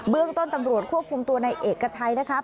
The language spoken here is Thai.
เรื่องต้นตำรวจควบคุมตัวในเอกชัยนะครับ